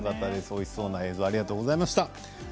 おいしそうな映像ありがとうございました。